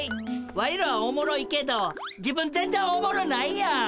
ワイらはおもろいけど自分ぜんぜんおもろないやん。